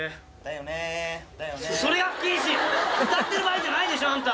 歌ってる場合じゃないでしょあんた。